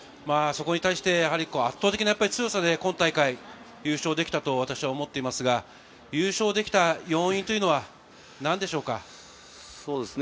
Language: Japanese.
そこに対して圧倒的な強さで今大会、優勝できたと私は思っていますが、優勝できた要因というのは何でしょうか？